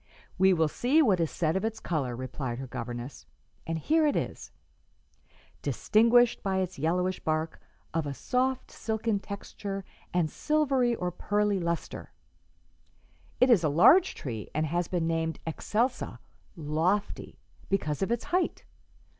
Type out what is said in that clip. "We will see what is said of its color," replied her governess, "and here it is: 'Distinguished by its yellowish bark, of a soft silken texture and silvery or pearly lustre,' It is a large tree, and has been named excelsa 'lofty' because of its height.